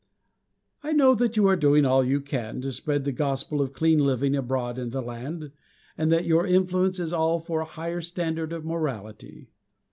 I know that you are doing all you can, to spread the gospel of clean living abroad in the land, and that your influence is all for a higher standard of morality.